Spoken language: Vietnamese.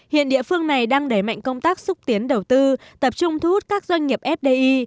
hiện địa phương này đang đẩy mạnh công tác xúc tiến đầu tư tập trung thu hút các doanh nghiệp fdi